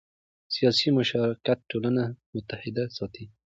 سیاسي مشارکت ټولنه متحد ساتي